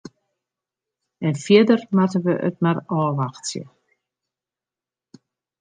En fierder moatte wy it mar ôfwachtsje.